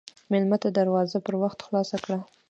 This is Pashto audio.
مېلمه ته دروازه پر وخت خلاصه کړه.